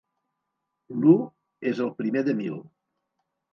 L'u és el primer de mil.